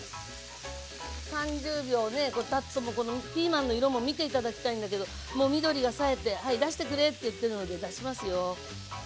３０秒たつとこのピーマンの色も見て頂きたいんだけどもう緑がさえて出してくれって言ってるので出しますよ。